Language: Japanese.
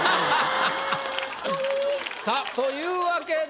さぁというわけで。